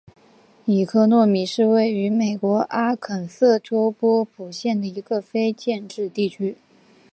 伊科诺米是位于美国阿肯色州波普县的一个非建制地区。